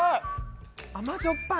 甘じょっぱい？